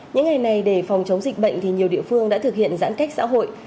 những ngày này để phòng chống dịch bệnh thì nhiều địa phương đã thực hiện giãn cách xã hội